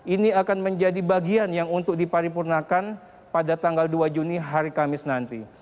ini akan menjadi bagian yang untuk diparipurnakan pada tanggal dua juni hari kamis nanti